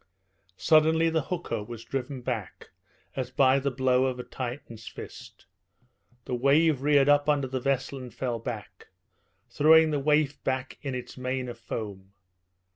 Suddenly the hooker was driven back, as by the blow of a Titan's fist. The wave reared up under the vessel and fell back, throwing the waif back in its mane of foam.